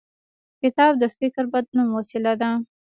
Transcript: کتاب د فکر بدلون وسیله ده.